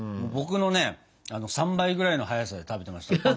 僕のね３倍ぐらいの速さで食べてました。